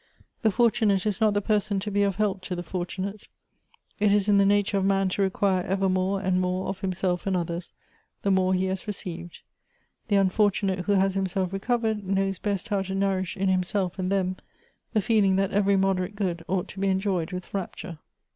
The fortunate is not the person to be of help to the for tunate ; it is in the nature of man to require ever more and more of himself .and others, the more he has received. The unfortunate who has himself recovered, knows best how to nourish, in himself and them, the feeling th.at every moderate good ought to be enjoyed with rapture."